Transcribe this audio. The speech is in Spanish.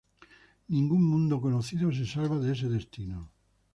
Ningún mundo conocido se salva de ese destino.